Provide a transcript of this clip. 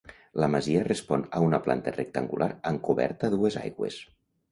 La masia respon a una planta rectangular amb coberta a dues aigües.